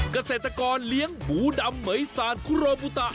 กระเศษตรกรเลี้ยงหมูดำเมย์ซานคุโรบุตะ